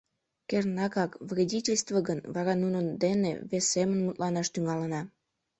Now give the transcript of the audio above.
Кернакак вредительство гын, вара нунын дене вес семын мутланаш тӱҥалына.